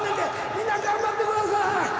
みんな頑張って下さい。